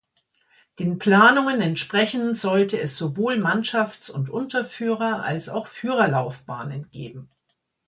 Den Planungen entsprechend sollte es sowohl Mannschafts- und Unterführer- als auch Führer-Laufbahnen geben.